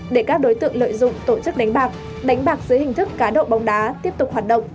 để các đối tượng lợi dụng tổ chức đánh bạc đánh bạc dưới hình thức cá độ bóng đá tiếp tục hoạt động